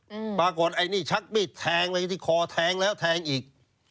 อืมปรากฏไอ้นี่ชักมีดแทงเลยที่คอแทงแล้วแทงอีก